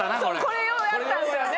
これようやったんですよね。